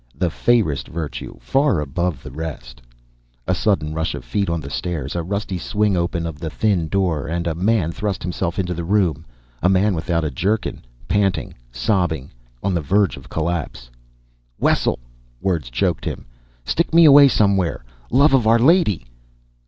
The fayrest vertue, far above the rest_.... A sudden rush of feet on the stairs, a rusty swing open of the thin door, and a man thrust himself into the room, a man without a jerkin, panting, sobbing, on the verge of collapse. "Wessel," words choked him, "stick me away somewhere, love of Our Lady!"